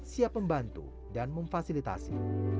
siap membantu dan memfasilitasi